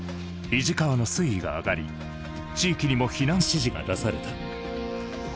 肱川の水位が上がり地域にも避難指示が出された。